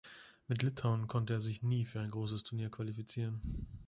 Mit Litauen konnte er sich nie für ein großes Turnier qualifizieren.